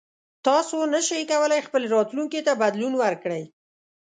تاسو نشئ کولی خپل راتلونکي ته بدلون ورکړئ.